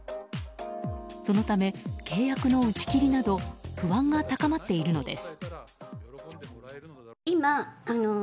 そのため、契約の打ち切りなど不安が高まっているのです。